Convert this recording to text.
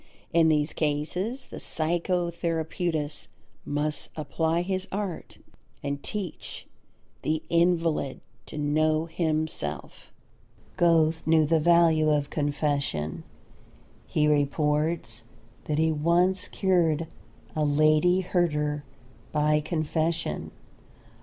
In these cases the psychotherapeutist must apply his art and teach the invalid to know himself. Goethe knew the value of confession. He reports that he once cured a Lady Herder by confession.